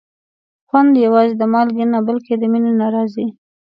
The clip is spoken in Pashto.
خوند یوازې د مالګې نه، بلکې د مینې نه راځي.